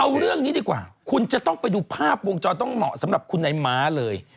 เอาเรื่องนี้ดีกว่าคุณจะต้องไปดูภาพวงจรต้องเหมาะสำหรับคุณนายม้าเลย